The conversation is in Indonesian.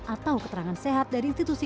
atau keterangan sehat dari institusi